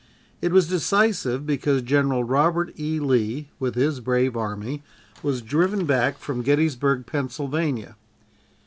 It was decisive because General Robert E. Lee, with his brave army, was driven back from Gettysburg, Pennsylvania.